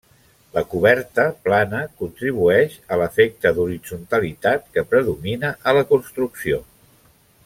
La coberta, plana, contribueix a l'efecte d'horitzontalitat que predomina a la construcció.